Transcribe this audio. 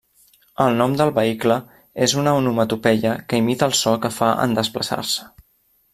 El nom del vehicle és una onomatopeia que imita el so que fa en desplaçar-se.